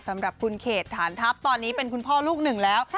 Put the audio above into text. สำหรับคุณเขตฐานทัพตอนนี้เป็นคุณพ่อลูกหนึ่งแล้ว